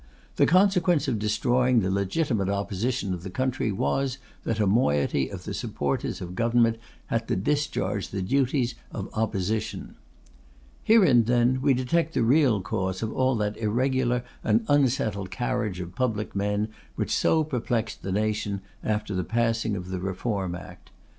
The consequence of destroying the legitimate Opposition of the country was, that a moiety of the supporters of Government had to discharge the duties of Opposition. Herein, then, we detect the real cause of all that irregular and unsettled carriage of public men which so perplexed the nation after the passing of the Reform Act.